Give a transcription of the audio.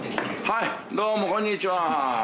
はいどうもこんにちは。